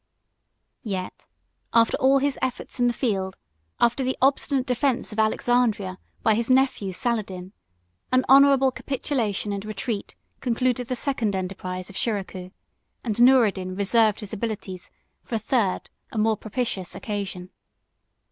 Yet, after all his efforts in the field, 43 after the obstinate defence of Alexandria 44 by his nephew Saladin, an honorable capitulation and retreat 441 concluded the second enterprise of Shiracouh; and Noureddin reserved his abilities for a third and more propitious occasion.